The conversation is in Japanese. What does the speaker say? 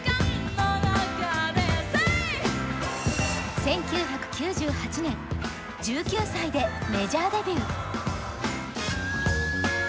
１９９８年、１９歳でメジャーデビュー